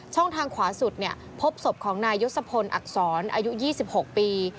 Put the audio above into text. ทางขวาสุดพบศพของนายยศพลอักษรอายุ๒๖ปี